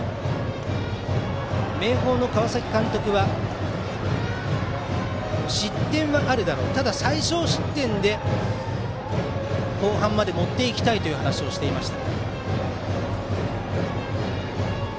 明豊の川崎監督は失点はあるだろうただ最少失点で後半まで持っていきたいと話していました。